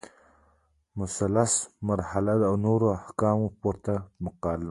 مصلحت مرسله او نورو احکامو پورته مقام